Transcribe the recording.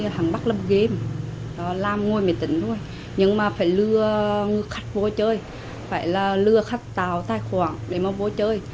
phải lừa người khách vô chơi phải lừa khách tạo tài khoản để mà vô chơi